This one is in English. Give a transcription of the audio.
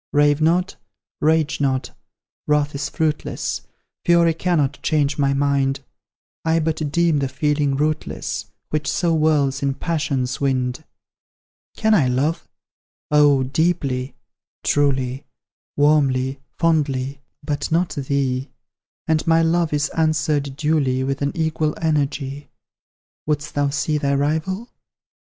Rave not, rage not, wrath is fruitless, Fury cannot change my mind; I but deem the feeling rootless Which so whirls in passion's wind. Can I love? Oh, deeply truly Warmly fondly but not thee; And my love is answered duly, With an equal energy. Wouldst thou see thy rival?